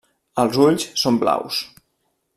Els ulls són blaus.